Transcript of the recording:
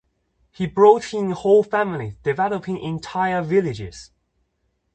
He brought in whole families, developing entire villages.